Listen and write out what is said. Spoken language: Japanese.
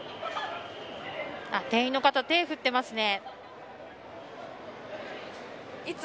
店員の方、手を振ってますね。